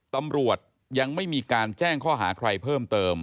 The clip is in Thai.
ตำรวจยังไม่มีการแจ้งข้อหาใครเพิ่มเติม